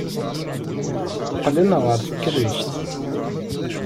Qqlen ɣer tekrict.